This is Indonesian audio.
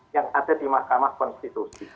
yang ada di mahkamah konstitusi